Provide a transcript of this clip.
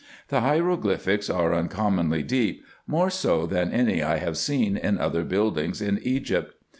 The hieroglyphics are uncom monly deep, more so than any I have seen in other buildings in Egypt.